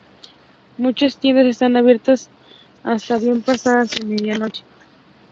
Muchas tiendas están abiertas hasta bien pasada la medianoche.